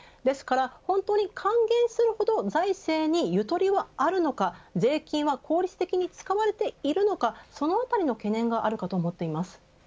本当に、還元するほど財政にゆとりがあるのか税金は効率的に使われているのかそのあたりの懸念があると思います。